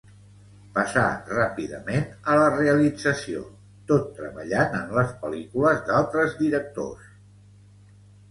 Passa ràpidament a la realització tot treballant en les pel·lícules d'altres directors.